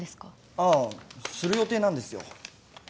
ああする予定なんですよ